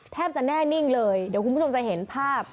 แทบจะแน่นิ่งเลยเดี๋ยวคุณผู้ชมจะเห็นภาพ